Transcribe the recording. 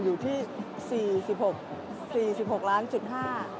อยู่ที่๔๖ล้านเจน